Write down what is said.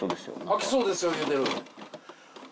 開きそうですよ言うてる。